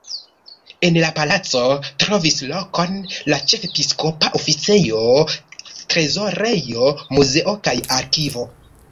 En la palaco trovis lokon la ĉefepiskopa oficejo, trezorejo, muzeo kaj arkivo.